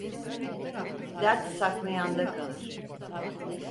Dert saklayanda kalır.